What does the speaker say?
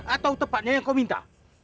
atau tepatnya yang kau minta